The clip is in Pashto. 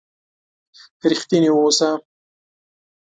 رښتيني وسه.